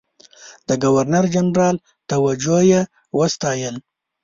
د ګورنرجنرال توجه یې وستایل.